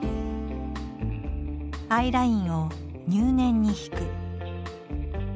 アイラインを入念に引く。